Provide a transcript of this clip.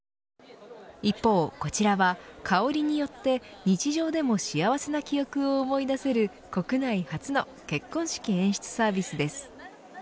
一方、こちらは香りによって日常でも幸せな記憶を思い出せる国内初の結婚式演出サービスです。